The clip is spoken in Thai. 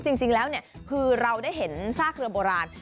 จริงแล้วคือเราได้เห็นซากเรือโบราณ